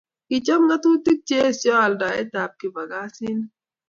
Kichop ngatutik che eesio aldaetab kibagasinik